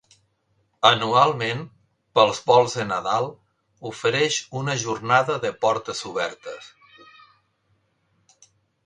Anualment, pels volts de Nadal ofereix una jornada de portes obertes.